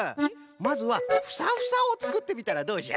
まずはフサフサをつくってみたらどうじゃ？